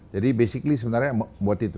jadi basically sebenarnya buat itu